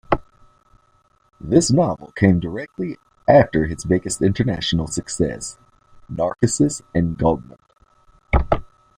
This novel came directly after his biggest international success, "Narcissus and Goldmund".